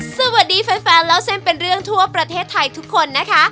สวัสดีแฟนเล่าเส้นเป็นเรื่องทั่วประเทศไทยทุกคนนะคะ